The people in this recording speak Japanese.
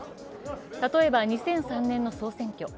例えば、２００３年の総選挙。